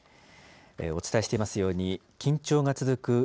お伝えしていますように、緊張が続く